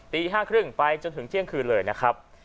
ตี๕๓๐ไปจนถึงเที่ยงคืนเลยนะครับ